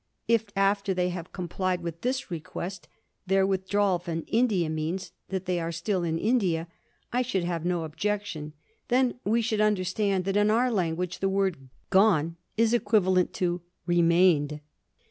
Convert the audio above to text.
If after they have complied with this request, their withdrawal from India means that they are still in India, I should have no objection. Then we would understand that, in our language, the word "gone" is equivalent to "remained."